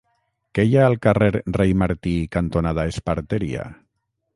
Què hi ha al carrer Rei Martí cantonada Esparteria?